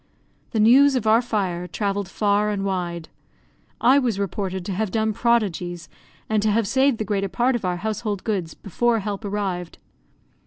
The news of our fire travelled far and wide. I was reported to have done prodigies, and to have saved the greater part of our household goods before help arrived.